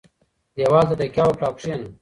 دېوال ته تکیه وکړه او کښېنه.